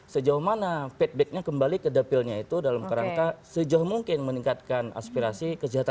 sejauh mana feedbacknya kembali ke dapilnya itu dalam kerangka sejauh mungkin meningkatkan aspirasi kejahatan